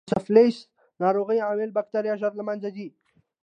د سفلیس ناروغۍ عامل بکټریا ژر له منځه ځي.